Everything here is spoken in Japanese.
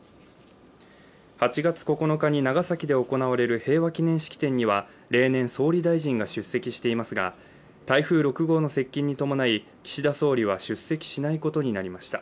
８月９日に長崎で行われる平和式典には例年、総理大臣が出席していますが台風６号の接近に伴い岸田総理は出席しないことになりました。